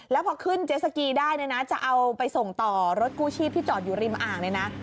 แล้วพอขึ้นเจสสกีได้เนี่ยนะจะเอาไปส่งต่อรถกู้ชีพที่จอดอยู่ริมอ่างเนี่ยนะ